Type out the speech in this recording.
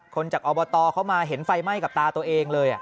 จากอบตเข้ามาเห็นไฟไหม้กับตาตัวเองเลย